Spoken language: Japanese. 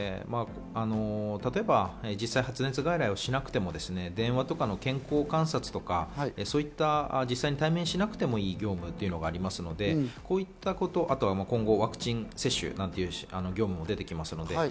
例えば実際、発熱外来をしなくても電話とかの健康観察とか、実際対面しなくてもいい業務というのがありますので、こういったことを今後ワクチン接種なんかという業務も出てきます。